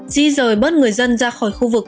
di rời bớt người dân ra khỏi khu vực